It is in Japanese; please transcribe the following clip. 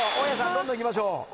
どんどん行きましょう。